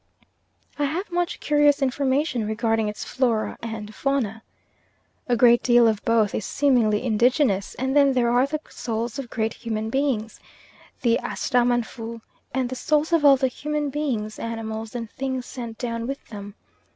I have much curious information regarding its flora and fauna. A great deal of both is seemingly indigenous, and then there are the souls of great human beings, the Asrahmanfw, and the souls of all the human beings, animals, and things sent down with them.